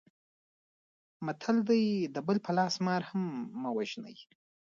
متل دی: د بل په لاس مار هم مه وژنئ.